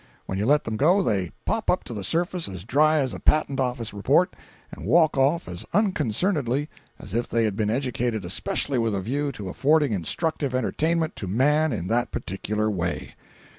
When you let them go, they pop up to the surface as dry as a patent office report, and walk off as unconcernedly as if they had been educated especially with a view to affording instructive entertainment to man in that particular way.